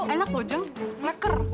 enak lho jeng lekar